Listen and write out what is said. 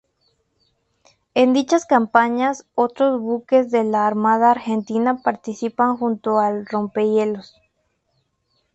En dichas campañas otros buques de la Armada Argentina participan junto al rompehielos.